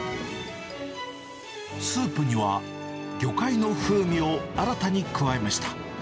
スープには、魚介の風味を新たに加えました。